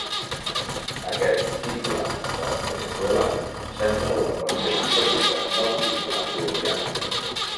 Aquest Tiple de Veneçuela, sembla una versió més petita del Tiple colombià.